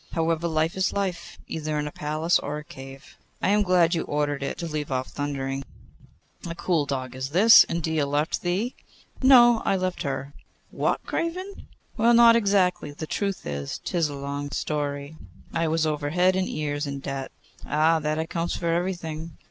However, life is life, either in a palace or a cave. I am glad you ordered it to leave off thundering.' 'A cool dog this. And Dia left thee? 'No; I left her.' 'What, craven?' 'Not exactly. The truth is 'tis a long story. I was over head and ears in debt.' 'Ah! that accounts for everything.